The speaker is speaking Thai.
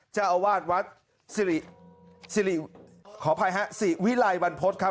เจ้าอาวาสวัสดิ์ขออภัยฮะศรีวิลัยบรรพศครับ